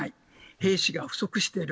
兵士が不足している。